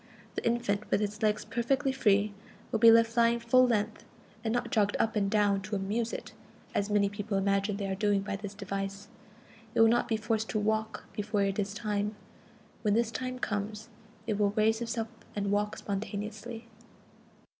The infant, with its legs perfectly free, will be left lying full length, and not jogged up and down to "amuse" it, as many persons imagine they are doing by this device. It will not be forced to walk before it is time. When this time comes, it will raise itself and walk spontaneously.